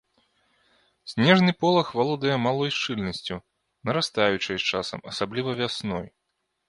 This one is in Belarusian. Снежны полаг валодае малой шчыльнасцю, нарастаючай з часам, асабліва вясной.